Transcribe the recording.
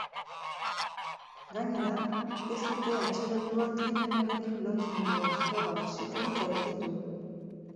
Gainera, ez dute atxilotua krimenarekin lotzen duen froga fisikorik aurkitu.